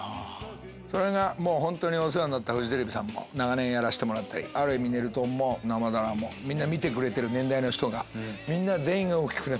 それが本当にお世話になったフジテレビさんも長年やらせてもらった『ねるとん』も『生ダラ』も見てくれてる年代の人がみんな全員が大きくなってる。